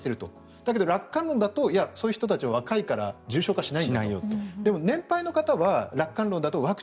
だけど楽観論だけどそういう人たちは若いから重症化すると。